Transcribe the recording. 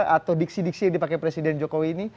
atau diksi diksi yang dipakai presiden jokowi ini